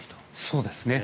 そうですね。